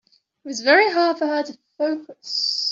It was very hard for her to focus.